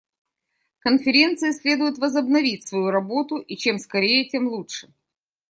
Конференции следует возобновить свою работу, и чем скорее, тем лучше.